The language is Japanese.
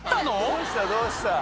どうしたどうした？